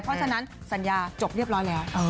เพราะฉะนั้นสัญญาจบเรียบร้อยแล้ว